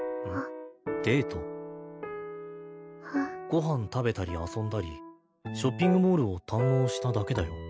ご飯食べたり遊んだりショッピングモールを堪能しただけだよ。